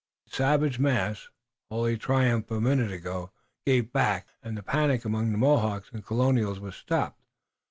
The savage mass, wholly triumphant a minute ago, gave back, and the panic among the Mohawks and Colonials was stopped.